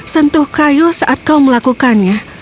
sentuh kayu saat kau melakukannya